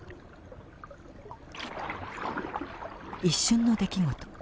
一瞬の出来事！